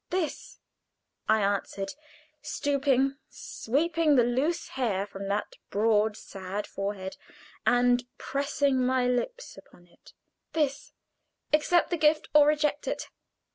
"This," I answered, stooping, sweeping the loose hair from that broad, sad forehead, and pressing my lips upon it. "This: accept the gift or reject it.